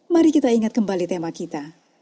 mari kita ingat kembali tema kita